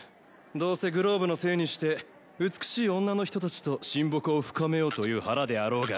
どうせグローブのせいにして美しい女の人たちと親睦を深めようという腹であろうが。